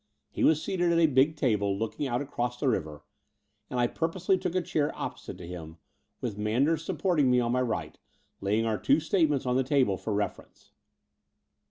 He was seated at a big table looking out across the river; and I purposely took a chair opposite to him, with Manders sup porting me on my right, laying our two statements on the table for reference.